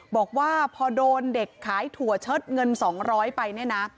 บอกว่าพอโดนเด็กขายถั่วเชิดเงินสองร้อยไปนี่น่ะ